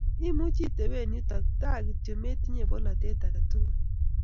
Imuchi itebee yuto tara kityo metinye polatet ake tukul